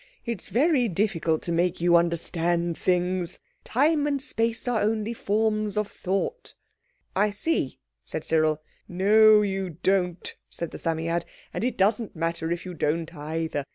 It's very difficult to make you understand things. Time and space are only forms of thought." "I see," said Cyril. "No, you don't," said the Psammead, "and it doesn't matter if you don't, either.